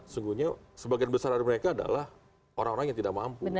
sungguhnya sebagian besar dari mereka adalah orang orang yang tidak mampu